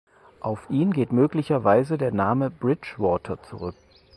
Auf ihn geht möglicherweise der Name Bridgewater zurück.